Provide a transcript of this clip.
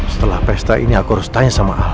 setelah pesta ini aku harus tanya sama ahok